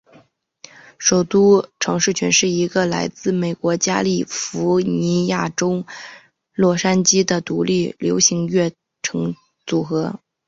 首都城市群是一个来自美国加利福尼亚州洛杉矶的独立流行乐组合。